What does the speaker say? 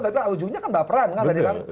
tapi ujungnya kan baperan kan tadi kan